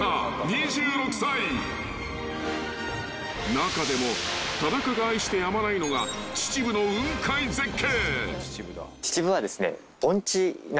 ［中でも田中が愛してやまないのが秩父の雲海絶景］